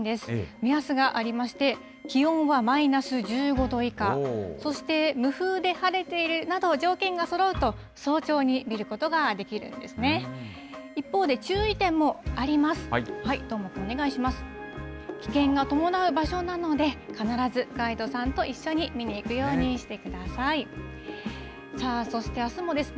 目安がありまして、気温はマイナス１５度以下、そして無風で晴れているなど条件がそろうと、早朝に見ることができるんですね。